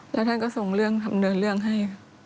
แล้วท่านก็ส่งเรื่องดำเนินเรื่องให้